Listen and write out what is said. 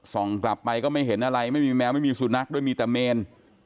ส่องกลับไปก็ไม่เห็นอะไรไม่มีแมวไม่มีสุนัขด้วยมีแต่เมน